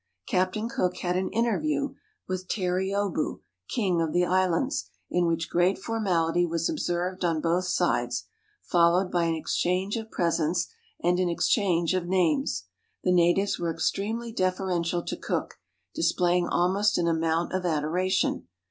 Captain Cook had an interview with Terreeoboo, king of the islands, in which great formality was observed on both sides, fol lowed by an exchange of presents and an exchange of names. The natives were extremely deferential to Cook, displaying almost an amount of adoration.